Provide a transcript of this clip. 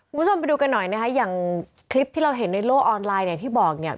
คุณผู้ชมไปดูกันหน่อยนะคะอย่างคลิปที่เราเห็นในโลกออนไลน์เนี่ยที่บอกเนี่ย